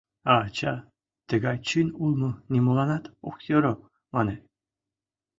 А ача «тыгай чын улмо нимоланат ок йӧрӧ» мане.